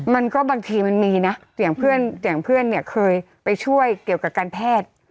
มันก็บางทีมันมีนะอย่างเพื่อนเคยไปช่วยเกี่ยวกับการแพทย์